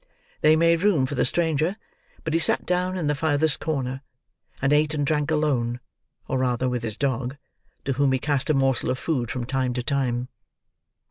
They made room for the stranger, but he sat down in the furthest corner, and ate and drank alone, or rather with his dog: to whom he cast a morsel of food from time to time.